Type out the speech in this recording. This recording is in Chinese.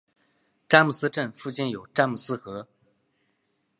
詹姆斯镇附近有詹姆斯河。